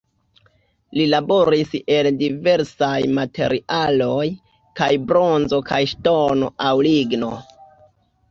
Li laboris el diversaj materialoj, kaj bronzo kaj ŝtono aŭ ligno.